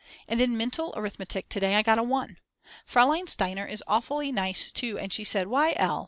And in mental arithmetic to day I got a One. Fraulein Steiner is awfully nice too and she said: Why, L.